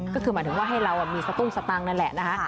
ก็คือหมายถึงว่าให้เรามีสตุ้งสตังค์นั่นแหละนะคะ